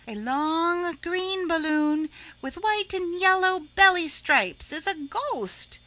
A long green balloon with white and yellow belly stripes is a ghost.